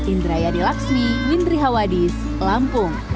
indra yadilaksmi windri hawadis lampung